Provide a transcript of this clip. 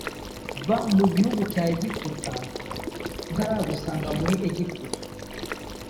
va mu gihugu cya egiputa ntaragusanga muri egiputa